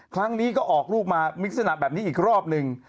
ครั้งนี้ก็ออกลูกมามิกษณะแบบนี้อีกรอบหนึ่ง